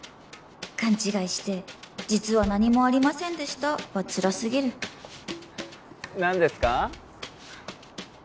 勘違いして実は何もありませんでしたはつらすぎる何ですか？